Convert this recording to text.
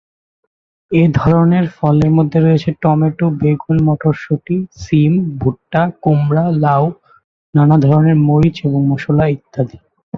এ ধরনের ফলের মধ্যে রয়েছে, টমেটো, বেগুন, মটরশুটি, সিম, ভুট্টা, কুমড়া, লাউ, নানা ধরনের মরিচ এবং মসলা ইত্যাদি।